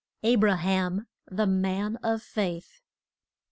ABRAHAM: THE MAN OF FAITH.